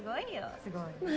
・すごいね。